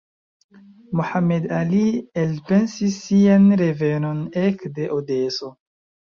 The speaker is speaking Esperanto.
Mohammad Ali elpensis sian revenon ekde Odeso.